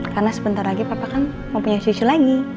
karena sebentar lagi papa kan mau punya cucu lagi